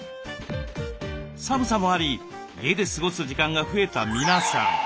寒さもあり家で過ごす時間が増えた皆さん。